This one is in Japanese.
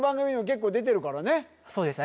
そうですね